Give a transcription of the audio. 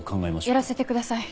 やらせてください。